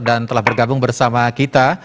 dan telah bergabung bersama kita